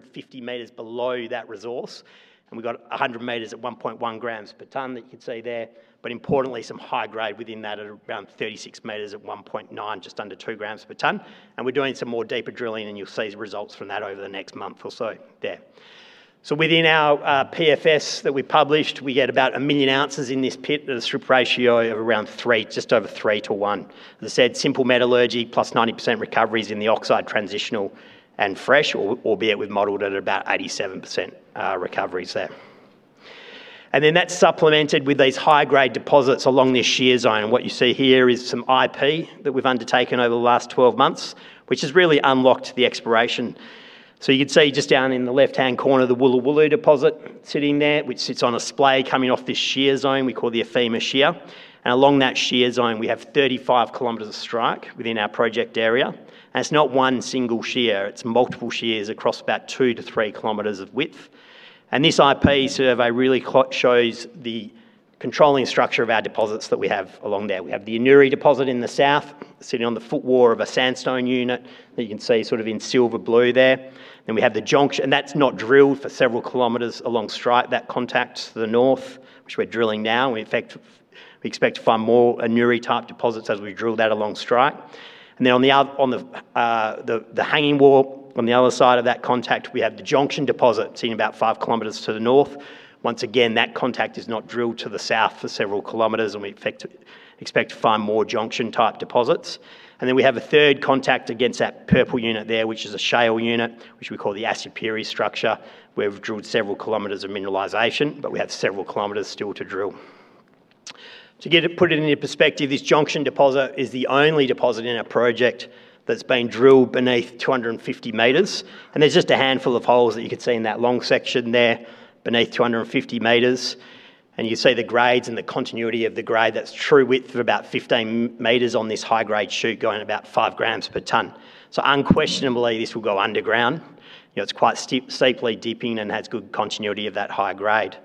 50 meters below that resource, and we got 100 meters at 1.1 grams per ton that you can see there. Importantly, some high grade within that at around 36 meters at 1.9, just under 2 grams per ton. We're doing some more deeper drilling, and you'll see the results from that over the next month or so there. Within our PFS that we published, we get about 1 million ounces in this pit at a strip ratio of around 3 just over 3:1. As I said, simple metallurgy, +90% recoveries in the oxide transitional and fresh, albeit we've modeled it at about 87% recoveries there. That's supplemented with these high-grade deposits along this shear zone. What you see here is some IP that we've undertaken over the last 12 months, which has really unlocked the exploration. You can see just down in the left-hand corner, the Woulo Woulo deposit sitting there, which sits on a splay coming off this shear zone we call the Afema Shear. Along that shear zone, we have 35 km of strike within our project area. It's not one single shear, it's multiple shears across about 2 km-3 km of width. This IP survey really shows the controlling structure of our deposits that we have along there. We have the Anuiri deposit in the south, sitting on the footwall of a sandstone unit that you can see sort of in silver blue there. We have the Jonction, and that's not drilled for several kilometers along strike. That contacts the north, which we're drilling now. In fact, we expect to find more Anuiri-type deposits as we drill that along strike. On the hanging wall, on the other side of that contact, we have the Jonction deposit, sitting about five kilometers to the north. Once again, that contact is not drilled to the south for several kilometers, and we expect to find more Jonction-type deposits. We have a third contact against that purple unit there, which is a shale unit, which we call the Asupiri structure. We've drilled several kilometers of mineralization, but we have several kilometers still to drill. To put it into perspective, this Jonction deposit is the only deposit in our project that's been drilled beneath 250 meters. There's just a handful of holes that you can see in that long section there beneath 250 meters. You see the grades and the continuity of the grade, that true width of about 15 meters on this high-grade shoot going about 5 grams per ton. Unquestionably, this will go underground. It's quite steeply dipping and has good continuity of that high grade.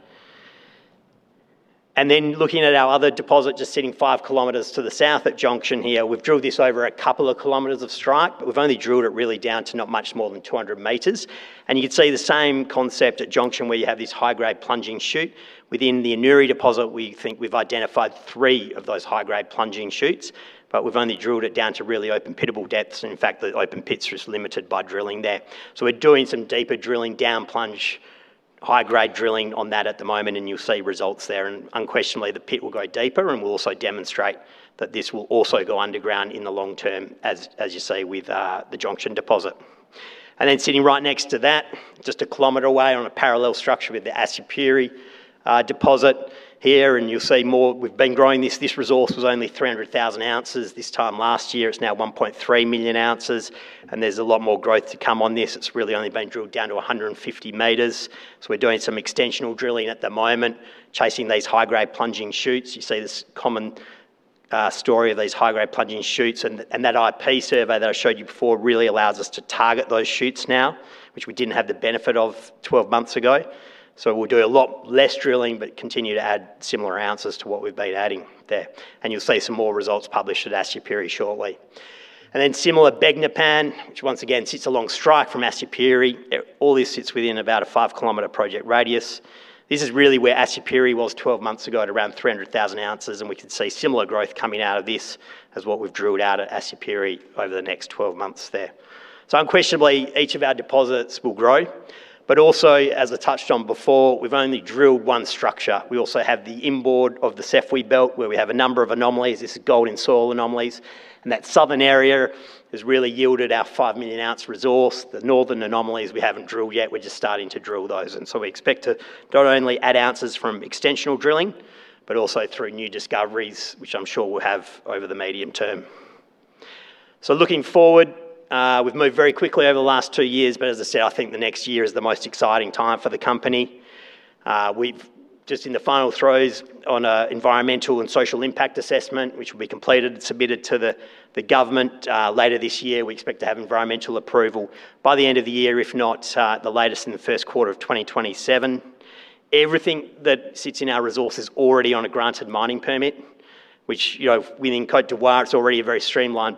Looking at our other deposit, just sitting five kilometers to the south at Jonction here. We've drilled this over a couple of kilometers of strike, but we've only drilled it really down to not much more than 200 meters. You can see the same concept at Jonction where you have this high-grade plunging shoot. Within the Anuiri deposit, we think we've identified three of those high-grade plunging shoots, but we've only drilled it down to really open-pittable depths. In fact, the open pits are just limited by drilling there. We're doing some deeper drilling down plunge, high-grade drilling on that at the moment, you'll see results there. Unquestionably, the pit will go deeper, will also demonstrate that this will also go underground in the long term, as you see with the Jonction deposit. Sitting right next to that, just a kilometer away on a parallel structure with the Asupiri deposit here. You'll see more, we've been growing this. This resource was only 300,000 ounces this time last year. It's now 1.3 million ounces, there's a lot more growth to come on this. It's really only been drilled down to 150 meters. We're doing some extensional drilling at the moment, chasing these high-grade plunging shoots. You see this common story of these high-grade plunging shoots. That IP survey that I showed you before really allows us to target those shoots now, which we didn't have the benefit of 12 months ago. We'll do a lot less drilling, continue to add similar ounces to what we've been adding there. You'll see some more results published at Asupiri shortly. Similar Begnapan, which once again sits along strike from Asupiri. All this sits within about a 5 km project radius. This is really where Asupiri was 12 months ago at around 300,000 ounces, we can see similar growth coming out of this as what we've drilled out at Asupiri over the next 12 months there. Unquestionably, each of our deposits will grow. Also, as I touched on before, we've only drilled one structure. We also have the inboard of the Sefwi Belt, where we have a number of anomalies. This is gold-in-soil anomalies. That southern area has really yielded our 5 million ounce resource. The northern anomalies we haven't drilled yet. We're just starting to drill those. We expect to not only add ounces from extensional drilling, through new discoveries, which I'm sure we'll have over the medium term. Looking forward, we've moved very quickly over the last two years, as I said, I think the next year is the most exciting time for the company. We're just in the final throws on Environmental and Social Impact Assessment, which will be completed and submitted to the government later this year. We expect to have environmental approval by the end of the year, if not, the latest in the first quarter of 2027. Everything that sits in our resource is already on a granted mining permit, which within Côte d'Ivoire, it's already a very streamlined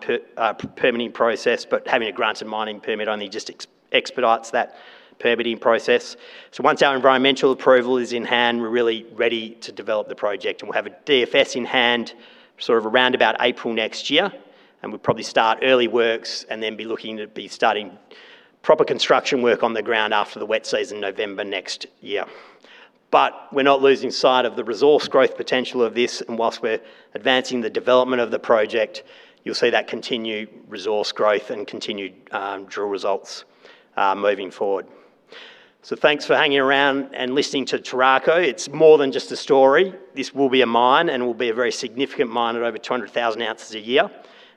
permitting process, having a granted mining permit only just expedites that permitting process. Once our environmental approval is in hand, we're really ready to develop the project. We'll have a DFS in hand sort of around about April next year. We'll probably start early works, be looking to be starting proper construction work on the ground after the wet season, November next year. We're not losing sight of the resource growth potential of this. Whilst we're advancing the development of the project, you'll see that continued resource growth and continued drill results moving forward. Thanks for hanging around and listening to Turaco. It's more than just a story. This will be a mine, and will be a very significant mine at over 200,000 ounces a year.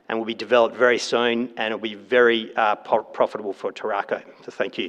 Will be developed very soon, and it will be very profitable for Turaco. Thank you.